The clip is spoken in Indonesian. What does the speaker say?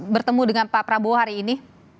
bertemu dengan pak prabowo hari ini